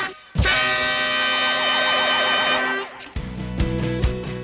เพลง